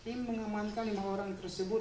tim mengamankan lima orang tersebut